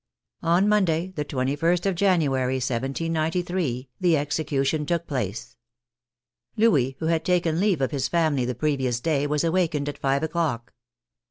On Monday, the 21st of January, 1793, the execu tion took place. Louis, who had taken leave of his family the previous day, was awakened at five o'clock.